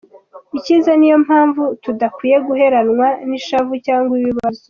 icyiza, niyo mpamvu tudakwiye guheranwa nishavu cyangwa ibibazo.